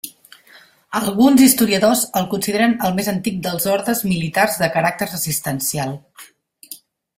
Alguns historiadors el consideren el més antic dels ordes militars de caràcters assistencial.